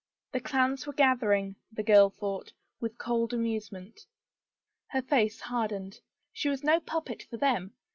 The clans were gathering, the girl thought, with cold amusement. Her face hardened. She was no puppet for them.